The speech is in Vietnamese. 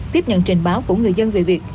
tiếp nhận trình báo của người dân về việc